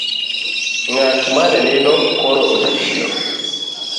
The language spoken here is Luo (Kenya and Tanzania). Ng'at mane nindo koro osechiewo.